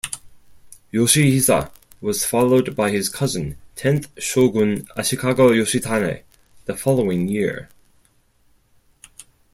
Yoshihisa was followed by his cousin, tenth shogun Ashikaga Yoshitane, the following year.